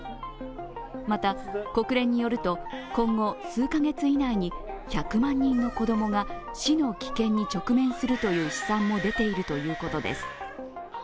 また、国連によると今後数カ月以内に１００万人の子供が死の危険に直面するという試算も出ているということです。